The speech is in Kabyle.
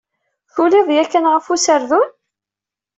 Tuliḍ yakkan ɣef userdun?